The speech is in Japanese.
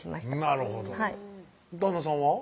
なるほど旦那さんは？